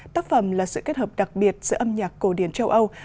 tác phẩm là sự kết hợp đặc biệt giữa âm nhạc cổ điển châu âu